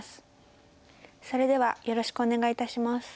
それではよろしくお願い致します。